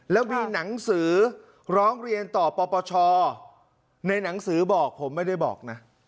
แล้วมีหนังสือร้องเรียนต่อปปชในหนังสือบอกผมไม่ได้บอกนะ